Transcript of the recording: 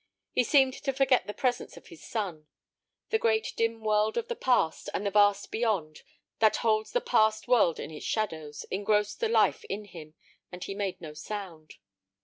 He seemed to forget the presence of his son. The great dim world of the past, and the vast "beyond" that holds the past world in its shadows, engrossed the life in him, and he made no sound.